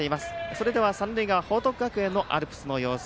それでは三塁側報徳学園のアルプスの様子